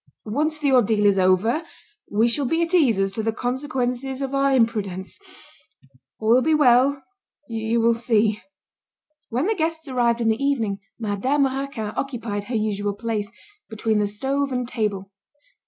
Once the ordeal is over, we shall be at ease as to the consequences of our imprudence. All will be well, you will see." When the guests arrived in the evening, Madame Raquin occupied her usual place, between the stove and table.